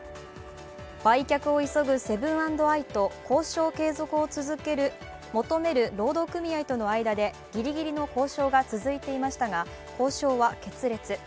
売却を急ぐセブン＆アイと交渉継続を求める労働組合との間でぎりぎりの交渉が続いていましたが、交渉は決裂。